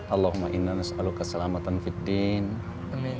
allahumma innanas alukasalamatan fiddin